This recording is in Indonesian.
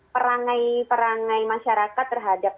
perangai perangai masyarakat terhadap